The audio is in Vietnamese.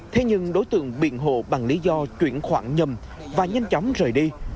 thế nhưng đối tượng biện hộ bằng lý do chuyển khoản nhầm và nhanh chóng rời đi